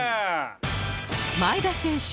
前田選手